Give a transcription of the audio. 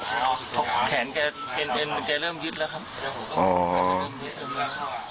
เพราะแขนแกเป็นแกเริ่มยึดแล้วครับ